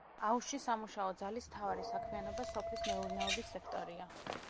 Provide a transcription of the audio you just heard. აუზში სამუშაო ძალის მთავარი საქმიანობა სოფლის მეურნეობის სექტორია.